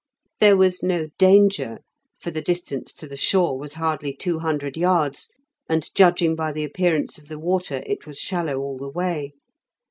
There was no danger, for the distance to the shore was hardly two hundred yards, and judging by the appearance of the water, it was shallow all the way.